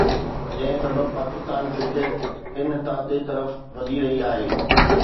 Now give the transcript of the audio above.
جنهن سبب پاڪستان ڪرڪيٽ انحطاطي طرف وڌي رهي آهي